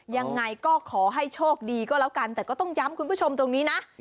ยังไงก็ขอให้โชคดีก็แล้วกันแต่ก็ต้องย้ำคุณผู้ชมตรงนี้นะ